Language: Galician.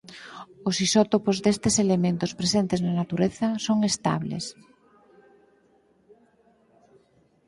Os isótopos destes elementos presentes na natureza son estables.